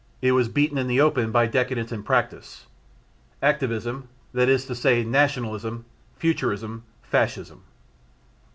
It was beaten in the open by decadence in practice. Activism: that is to say, nationalism, futurism. Fascism.